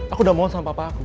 aku udah mau sama papa aku